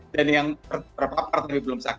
dan yang berapa part tapi belum sakit